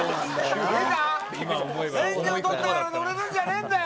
免許取ったから乗れるんじゃねえんだよ。